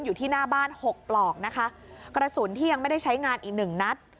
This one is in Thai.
อยู่ที่หน้าบ้านหกปลอกนะคะกระสุนที่ยังไม่ได้ใช้งานอีกหนึ่งนัด